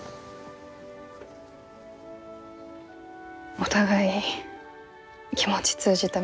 お互い気持ち通じたみたい。